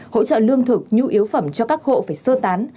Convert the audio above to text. hỗ trợ lương thực nhu yếu phẩm cho các hộ phải sơ tán